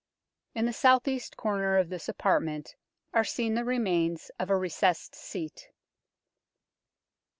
In the south east corner of this apart ment are seen the remains of a recessed seat.